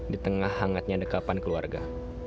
di tengah hangatnya dekapan keluarga